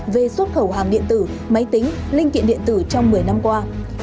về xuất khẩu hàng điện tử máy tính linh kiện điện tử trong một mươi năm qua